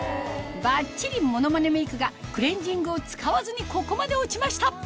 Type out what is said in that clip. バッチリモノマネメイクがクレンジングを使わずにここまで落ちました！